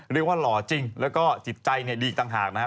เรียกว่าหล่อจริงแล้วก็จิตใจดีกต่างหากนะครับ